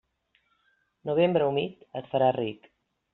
Novembre humit et farà ric.